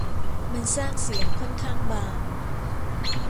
มันสร้างเสียงค่อนข้างบาง